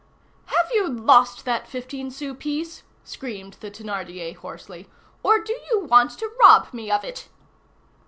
"Have you lost that fifteen sou piece?" screamed the Thénardier, hoarsely, "or do you want to rob me of it?"